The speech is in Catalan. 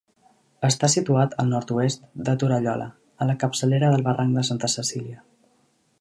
Està situat al nord-oest de Torallola, a la capçalera del barranc de Santa Cecília.